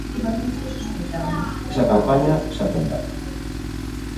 Esa campaña xa ten data.